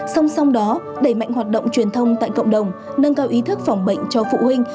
song song đó đẩy mạnh hoạt động truyền thông tại cộng đồng nâng cao ý thức phòng bệnh cho phụ huynh